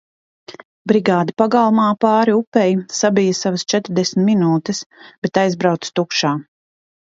Brigāde pagalmā pāri upei sabija savas četrdesmit minūtes, bet aizbrauca tukšā.